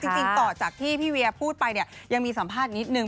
จริงต่อจากที่พี่เวียพูดไปเนี่ยยังมีสัมภาษณ์นิดนึง